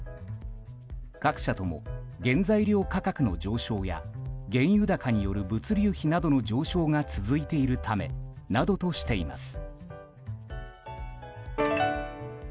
各社とも原材料価格の上昇や原油高による物流費などの上昇が続いているためなどとしています。